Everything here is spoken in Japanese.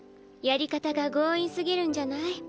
やり方が強引すぎるんじゃない？